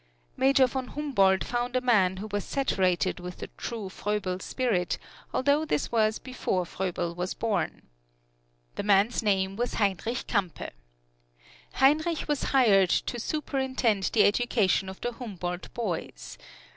Major von Humboldt found a man who was saturated with the true Froebel spirit, although this was before Froebel was born. The man's name was Heinrich Campe. Heinrich was hired to superintend the education of the Humboldt boys.